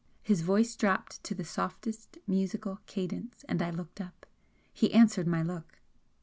His voice dropped to the softest musical cadence, and I looked up. He answered my look.